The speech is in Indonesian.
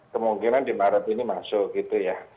kemungkinan di maret ini masuk gitu ya